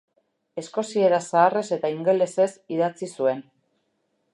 Eskoziera zaharrez eta ingelesez idatzi zuen.